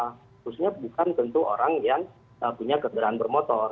harusnya bukan tentu orang yang punya senderan bermotor